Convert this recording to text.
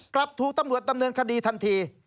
กลับถูกตำรวจดำเนินคดีทันที